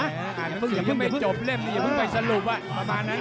อ่านหนังสือยังไม่จบเล่มอย่าเพิ่งไปสรุปอะประมาณนั้น